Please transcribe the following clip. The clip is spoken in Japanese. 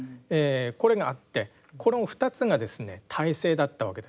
これがあってこの２つがですね体制だったわけです。